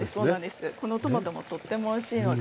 このトマトもとってもおいしいので。